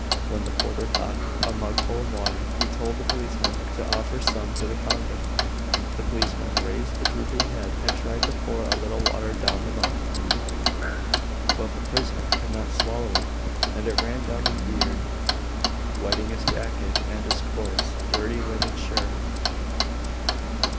When the porter brought a mug full of water, he told the policeman to offer some to the convict. The policeman raised the drooping head, and tried to pour a little water down the mouth; but the prisoner could not swallow it, and it ran down his beard, wetting his jacket and his coarse, dirty linen shirt.